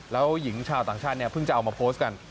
แล้วหญิงชาวต่างชาติเนี่ยเพิ่งจะเอามาโพสต์กัน